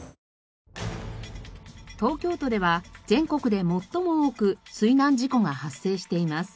東京都では全国で最も多く水難事故が発生しています。